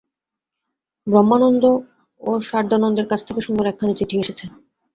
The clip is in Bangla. ব্রহ্মানন্দ ও সারদানন্দের কাছ থেকে সুন্দর একখানি চিঠি এসেছে।